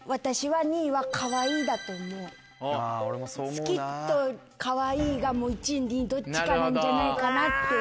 「好き」と「かわいい」が１位２位どっちかなんじゃないかなって。